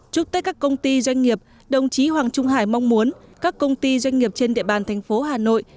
chúc tết các công ty doanh nghiệp đồng chí hoàng trung hải mong muốn các công ty doanh nghiệp trên địa bàn thành phố hà nội